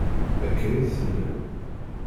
Akka i d-tennam.